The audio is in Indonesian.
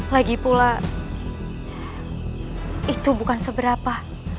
lagipula itu bukan seberapa